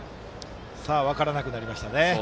分からなくなりましたね。